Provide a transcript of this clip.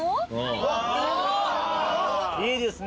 おっいいですね